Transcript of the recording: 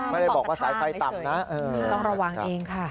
ไม่ได้บอกว่าสายไฟต่ำนะต้องระวังเองค่ะ